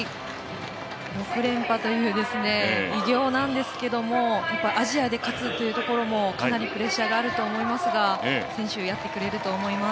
６連覇という偉業なんですけどもアジアで勝つというところもかなりプレッシャーあると思いますが選手、やってくれると思います。